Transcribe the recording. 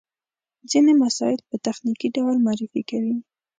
ځينې مسایل په تخنیکي ډول معرفي کوي.